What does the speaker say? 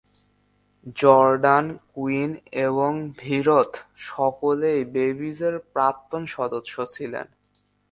Jordan, Queen এবং ভিরথ সকলেই বেবিজের প্রাক্তন সদস্য ছিলেন।